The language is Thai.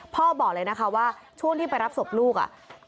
บอกเลยนะคะว่าช่วงที่ไปรับศพลูกอ่ะ